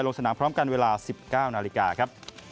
ลงสนามพร้อมกันเวลา๑๙นาฬิกาครับ